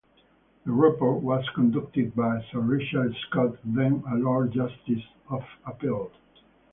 The report was conducted by Sir Richard Scott, then a Lord Justice of Appeal.